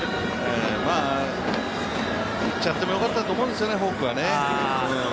いっちゃってもよかったと思うんですよね、フォークね。